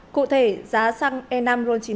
cụ thể giá xăng e năm roll chín mươi hai